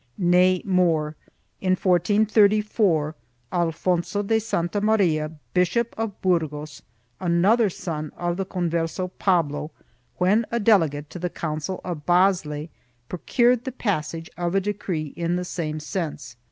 1 Nay more ; in 1434, Alfonso de Santa Maria, Bishop of Burgos, another son of the Converso Pablo, when a delegate to the council of Basle, procured the passage of a decree in the same sense.